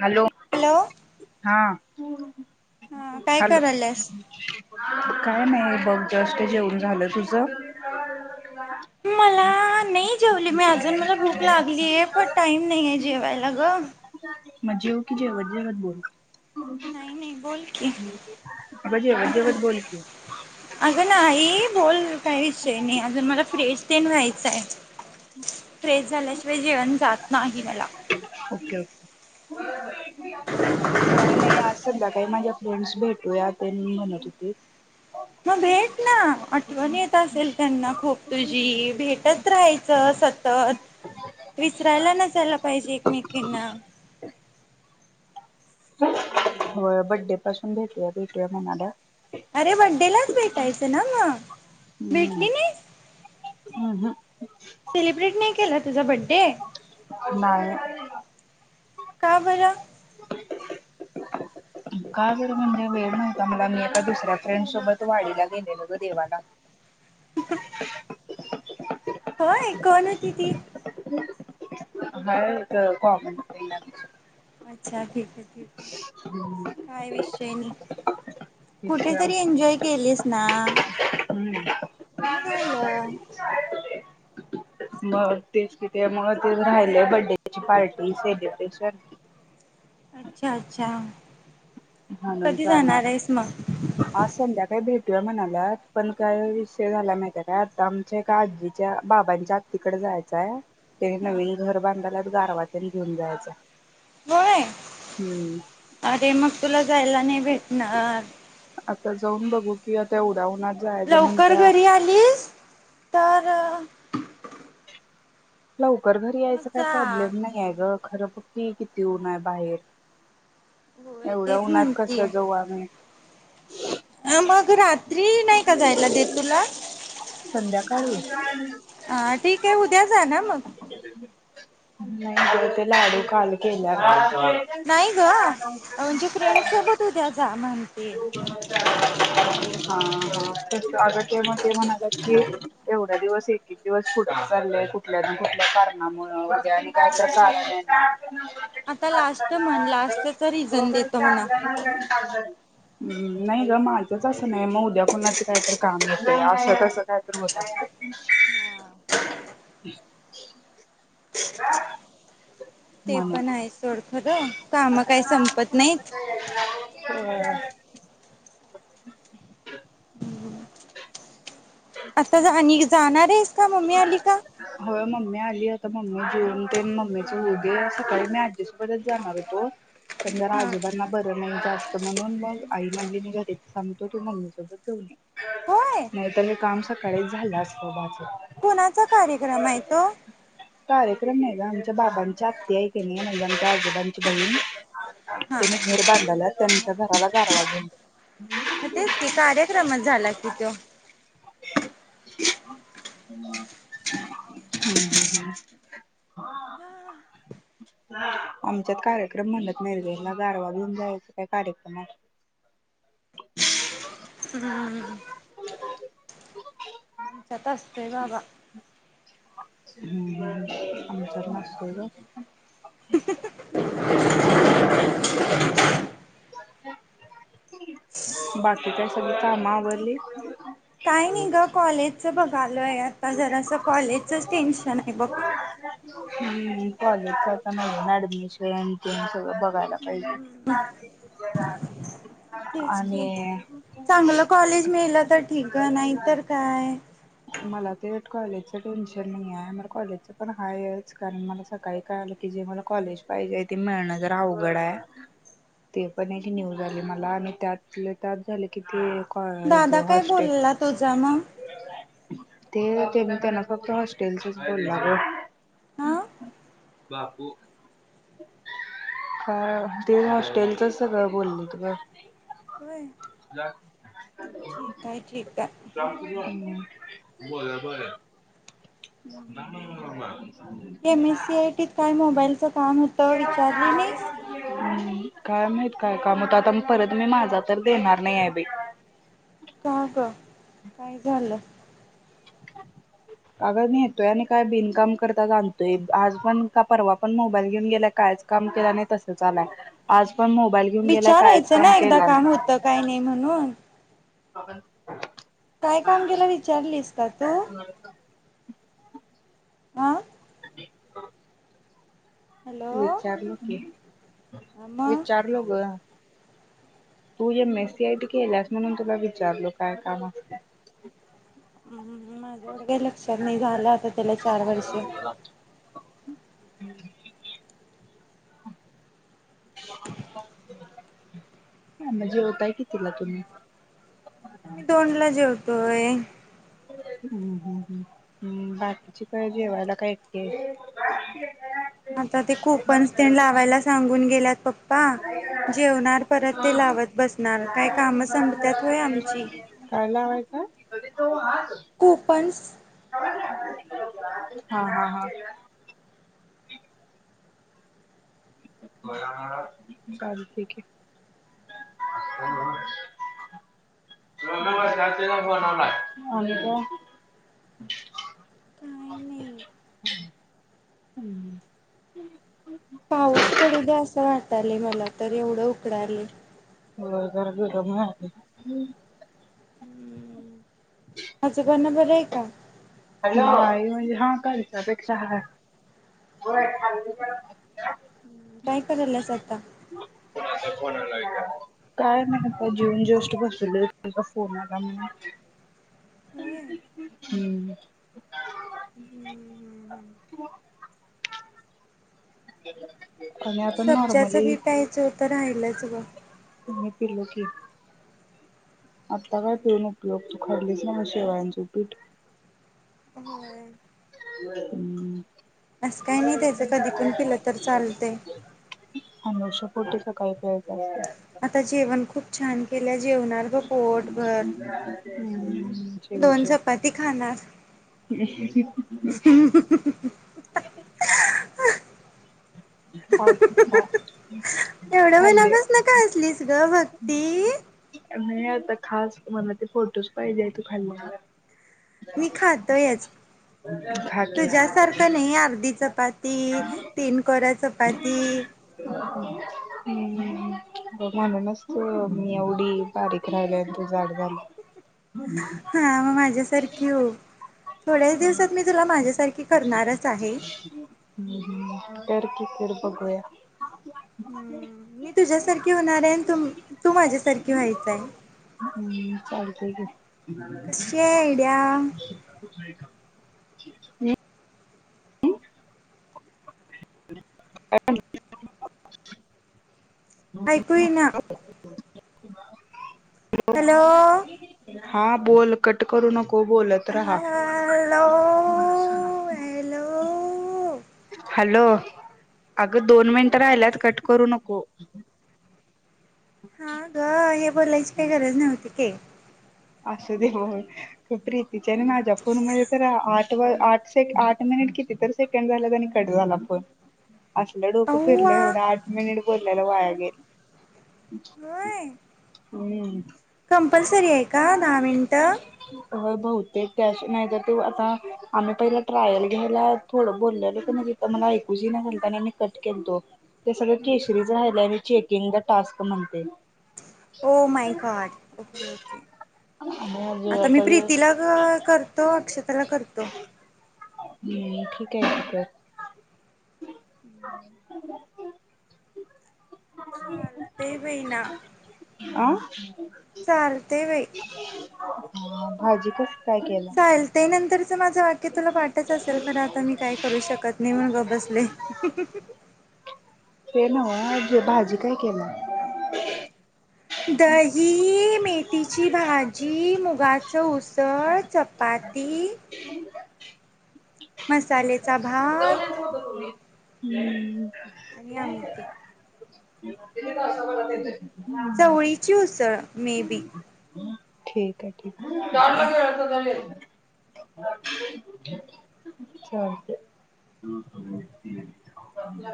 Hello hello [inaudible] हां. हा काय हॅलो करायल्यास? [inaudible] काय नाही बघ जस्ट जेवून झालं तुझ? मला नाही जेवली मी अजून, मला भूक लागलीये पण टाइम नाहीये जेवायला गं. मग जेव की जेवत, जेवत बोल. नाही नाही बोल कि अगं जेवत असच, जेवत बोल की [inaudible] अगं नाही बोल काही विषय नाही अजून मला फ्रेश तेन व्हायचं हाय. फ्रेश झाल्याशिवाय ओके जेवण जात नाही मला. [inaudible] काय नाही आज संध्याकाळी माझ्या फ्रेंड्स भेटूया तेन म्हणत होतीत. मग भेट ना. आठवण येत असेल त्यांना खूप तुझी भेटत राहायचं सतत. विसरायला नसायला पाहिजे एकमेकींना होय, बड्डे पासून भेटूया, भेटूया म्हणाल्यात. अरे, बड्डेलाच भेटायचं ना म? हम्म. अ हं. सेलिब्रेट नाही केला तुझा बड्डे? नाही का बरं? का बरं म्हणजे, वेळ नव्हता मला मी एका दुसऱ्या फ्रेंड सोबत वाडीला गेलेलो गं देवाला. [inaudible] होय! कोण होती ती? हाय एक कॉमन फ्रेंड आमची. अच्छा ठीक आहे, ठीक आहे, हम्म काय विषय नाही कुठे तेच तरी एन्जॉय केलीस ना? हम्म मनाला मग तेच कि त्यामुळं ते राहिलं बड्डेची पार्टी सेलिब्रेशन. अच्छा अच्छा. म्हणून कधी जाणार. आहेस मग आज संध्याकाळी भेट टूया म्हणालात पण काय विषय झाला माहित्या काय आता आमच्या एका आजीच्या बाबांच्या आत्तीकड जायचं हाय. तेनी हा नवीन घर बांधाल्यात गारवा तेन घेऊन जायचंय. होय अरे मग. तुला जायला नाही भेटणार. आता जाऊन बघू कि आता एवढ्या उन्हात. जायचं लवकर म्हणत्या घरी आलीस तर. लवकर घरी मग यायचं काय जा प्रॉब्लेम नाही आहे गं. खरं बघ की किती ऊन आहे बाहेर होय एवढा तेच उन्हात कस जाऊ आम्हि अ मग रात्री नाही का जायला देत तुला संध्याकाळी ह ठीक आहे उद्या जा ना मग नाही ग ते लाडू काल केल्या ना नाही ग आ म्हणजे फ्रेंड सोबत उद्या जा मग तेव ब [unintelligible] हा आग ते म ते म्हणालेत कि एवढ्या दिवस एक एक दिवस पुढचं चाललंय कुठल्या ना कुठल्या कारणामुळं उद्या आणि काय तर कारण येणार आता लास्ट म्हण लास्टच ो रिझन देतो म्हणा. चांगल्या मलगा साण [unintelligible] म् नाही ग माझझंच असं नाही मग उद्या कोणाचं काहीतरी काम होतय असं तसं काहीतर होत असतय. ह ते पण आहे सोडखरं काम काही संपत नाहीत. व्हय. असं जानी जाणार आहेत. का मम्मी आली का? ती आता मम्मी जेऊन तेन मम्मीच होवू दे सकाळी मी आजीसोबतच जाणार होतो पण जरा हा. आजोबांना बरं नाही जास्त म्हणून मग आई म्हणली मी घरीच थांबतो तू मम्मी सोबत जाऊन ये होय नाहीतर ये काम सकाळीच झालं असत बघ. कोणाचा कार्यक्रम आहे तो? कार्यक्रम नाही ग आमच्या बाबांच्या आत्ती हाय कणी म्हणजे आमच्या आजोबांची बहीण हा. त्यांनी घर बांधाल्यात त्यांच्या घराला गारवा घेवून गेलती. हा तेच की कार्यक्रमच झाला कि तो [unintelligible] हम् ह आमच्यात कार्यक्रम म्हणत नाहीत ग गारवा घऊन जायचं काय कार्यक्रमात. हम्म च्यात असतय बाबा हम् ह आमच्याार [unintelligible] जावू देत बाकी काय सगळी काम आवरली. काय नाही ग कॉलेजचं बघालोय. आता जरास कॉलेजचंच टेन्शन हाय बघ. हम् कॉलेजच आता मग ऍडमिशन ते आणि सगळं बघायला पाहिजे. तेच की आणि चांगलं कॉलेज मिळल तर ठीक ग नाही तर काय? मला ते कॉलेजच टेन्शन नाही हाय, मला कॉलेजच पण हायच, कारण मला सकाळी कळाल की जे मला कॉलेज पाहिजे ते मिळणं जरा अवघड हाय, ते पण एक न्यूज आली मला आणि त्यातल्या त्यात झालं की ते. हेज दादा काय हॉस्टेल बोलला तुझा मग. ते तेन फक्त हॉस्टेलचेच बोलला ग. ह बापू हा ते हॉस्टेलचच सगळं बोललित ग. होय ठीक आहे, ठीक आहे. [unintelligible] एमएससीआयटीत, काय मोबाईलचं काम होतं विचारली नाहीस. हम्म, काय माहीत, काय काम होत, आता म परत मी माझा तर देणार नाही आहे बाई. का ग काय झालं. अग नेतोय आणि काय बिनकाम करताच आणतोय, आज पण का परवा पण मोबाईल घेऊन गेलाय कायच काम केलं नाही तस आलाय आज पण मोबाईल घेऊन गेला कायच विचारायचं काम ना एकदा केला काम होतं काय नाही म्हणून. पन [unintelligible] काय काम केलं विचारलीस का तू. आ. हॅलो विचारलो की, मग विचारलो ग. तू एमएससीआयट केल्यास म्हणून तुला विचारलो काय काम असत. हम् हम. माझ्या एवढ काही लक्षात नाही, झाल आता त्याला चार वर्ष. हम् [unintelligible] मग जेवताय कितीला तुम्ही. आम्ही दोन ला जेवतोय. हम्, हम्, हम् हम् बाकीची काय जेवायला काय एकटी आता ते कूपन्स तेन लावायला सांगून गेल्यात. बा जेवणार परत ते लावत बसणार, काय कामं संपत्यात होय आमची. ह त [unintelligible] कूपन्स. हा, हा, हा. चालतय की, काय नाही. हम्म. पाऊस पडू द्या असं वाटालय, मला तर एवढं उकडालय. होय जरा गरम व्हालय. आजोबाना बरं आहे का. म्हणजे हा करायच अपेक्षा हा [unintelligible] काय करराल्यास आता. काय म्हण जीवन ज्येष्ठ बसलोय, तुझा फोन आला होय. हम्म. ह ह सब्जाच बी प्यायचं होत राहायलाच ग त पिलो की आता काय पेऊन उपयोग चुकडलेच ना म शिवायांच पीठ हम् अससं काय नाही त्याच कधी पण पिलं तर चालते हमर्षापोट सकाळी पेयचं असत आता जेवण खूप छान! केल्या जेवणार ग पोट भर.... हम्म दोन शेवचे चपाती खाणार..... ह अ खा खा एवढं खाल्ले. मनापासून का हसलीस ग भती [unintelligible] नाही आता खास मला ते फोटोज पाहिजे तू खाल्ल्यावर मी खातोयच.. खा की. तुझ्यासारखं नाही.. अर्धी चपाती... तीन कोऱ्या चपा... पती..... हूं.. म्हणूनच त मी एवढी बारीक राहिले आणि ते जाड झालेत हा..... मग माझ्यासारखी हो थोड्याच दिवसात मी तुला माझ्यासारखी करणारच आहे. कर कि, फिर बघूया हूं मी तुझ्यासारखी होणार आहे तू.. तू माझ्यासारखी व्हायचय, हम्म चालतंय की. कशी... आयडिया... हो [inaudible] अ [inaudible] ऐकू येई ना [inaudible] हॅलो...... हा, बोल, कट करू नको. हो, बोलत राहा हॅलो हॅलो हॅलो.. अग दोन मिनिट राहिल्यात, कट करू नको. अच्छा.. हा ग हे बोलायची काही गरज नव्हती.. हे.. असू दे हो खुपरीत तिच्याने माझ्या फोनमुळे तर आठ.. व.. आठशे.. आठ मिनिट किती तर सेकंड झाल्यात आणि कट झाला फोन. असलं डोकं फिरलं, अव्वा एवढं आठ मिनिट बोलल्याल वाया गेलं. [unintelligible] [unintelligible] कंपलसरीय, का दहा मिनटं? होय बहुतेक कॅश नाहीतर ते आता, आम्ही पहिला ट्रायल घ्यायला थोडं बोललेलो, क नाही तिथ मला ऐकूच येईना झालत आणि आम्ही कट केल्तो. ते सगळं केशरीच राहिल्याय [unintelligible] चेकिंग [unintelligible] टास्क म्हणते. Oh my God, okay okay. आणि अजून आता मी प्रीतीला क करतो, अक्षताला करतो. हम्, ठिकय, ठीकय. चालते बाई ना. अं [unintelligible] [unintelligible] भाजी कस काय केला? चालेल ते नंतरच माझं वाट की, तुला वाटच असेल खर, आता मी काय करू शकत नाही, म्हणून गप बसले. [unintelligible] [unintelligible] भाजी काय केला. दही, मेथीची भाजी, मुगाचं उसळ, चपाती [unintelligible] मसाल्याचा भात हम्म आणि [unintelligible] या इकडं. आमटी [unintelligible] [unintelligible] किती तासाभरात येतय. चवळीची उसळ. मे बी ठीकय, ठीकय. [unintelligible] चालतय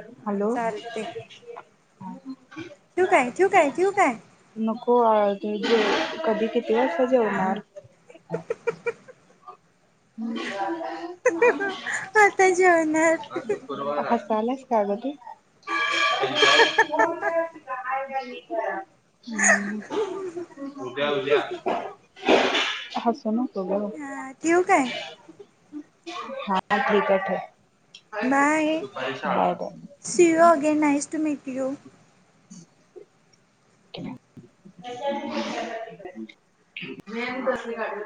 हा हॅलो [unintelligible] ठेउ काय ठेउ काय ठेउ काय. हो कधी किती वाजता जेवणार? आता जेवणार आज शुक्रवार हाय. चाललेस काय गं तू? [unintelligible] [unintelligible] हम्म उद्या उद्या हासु न हा ठेऊ काय? हा ठीक आहे ठेव. Bye bye see you again nice to meet you. [unintelligible]